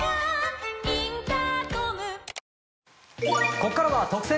ここからは、特選！！